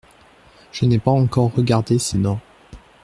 Je n’ai pas encore regardé ses dents…